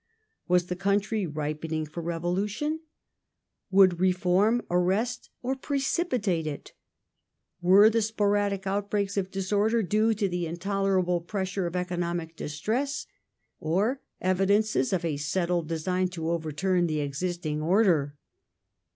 Was the country ripening for revolution ? Would reform arrest or precipitate it ? Were the sporadic outbreaks of disorder due to the intolerable pressure of economic distress, or evidences of a settled design to overturn the existing order?